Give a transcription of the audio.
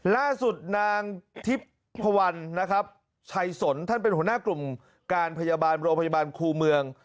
ล่าสุดนางธิพพวัลชัยสนท่านเป็นหัวหน้ากลุ่มการโรงพยาบาลคู่เมือง